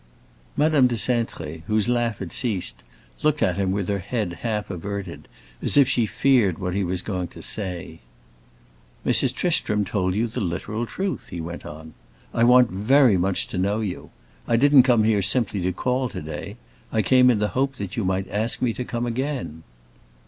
Madame de Cintré, whose laugh had ceased, looked at him with her head half averted, as if she feared what he was going to say. "Mrs. Tristram told you the literal truth," he went on; "I want very much to know you. I didn't come here simply to call to day; I came in the hope that you might ask me to come again."